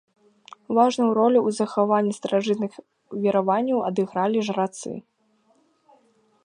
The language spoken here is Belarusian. Важную ролю ў захаванні старажытных вераванняў адыгралі жрацы.